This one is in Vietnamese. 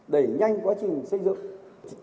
đẩy nhanh quá trình xây dựng